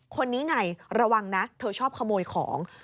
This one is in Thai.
คนนี้ไงระวังนะเธอชอบขโมยของ